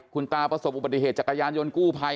คุณตาประสบอุบัติเหตุจักรยานยนต์กู้ภัย